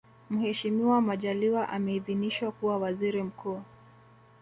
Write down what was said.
Mheshimiwa Majaliwa ameidhiniswa kuwa Waziri Mkuu